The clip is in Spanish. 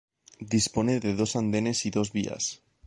Dispone de dos andenes y dos vías.